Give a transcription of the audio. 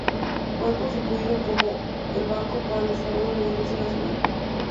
Fue constituido como "el banco para el desarrollo de la industria nacional".